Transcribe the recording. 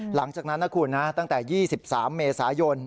หลังจากนั้นนะคุณนะตั้งแต่๒๓เมษายน